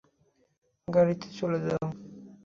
গাড়িতে চলে যাও।